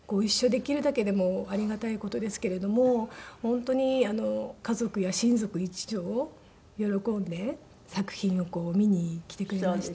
できるだけでもありがたい事ですけれども本当に家族や親族一同喜んで作品を見に来てくれました。